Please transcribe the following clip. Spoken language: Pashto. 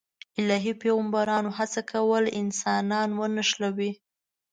الهي پیغمبرانو هڅه کوله انسانان ونښلوي.